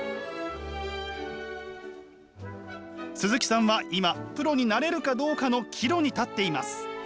鈴木さんは今プロになれるかどうかの岐路に立っています。